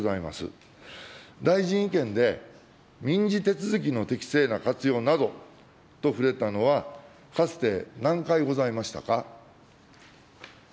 大臣意見で、民事手続きの適正な活用などと触れたのは、かつて何回ございましたか。